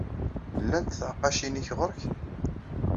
Llant tɛeqqacin-nnek ɣer-k?